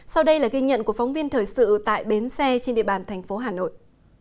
sau đây là ghi nhận của phóng viên thời sự tại bến xe trên địa bàn thành phố hà nội